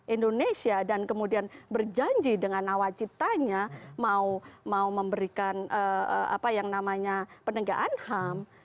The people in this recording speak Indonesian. indonesia dan kemudian berjanji dengan nawaciptanya mau memberikan apa yang namanya penegakan ham